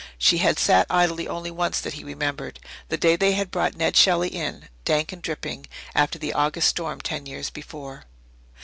She had sat idle only once that he remembered the day they had brought Ned Shelley in, dank and dripping, after the August storm ten years before.